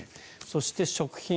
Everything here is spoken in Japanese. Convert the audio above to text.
そして食品。